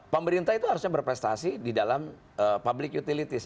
pemerintah itu harusnya berprestasi di dalam public utilities